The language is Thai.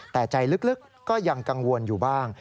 แต่ใจลึกก็ยังกังวลอยู่บ้าง